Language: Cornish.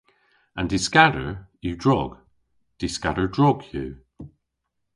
An dyskador yw drog. Dyskador drog yw.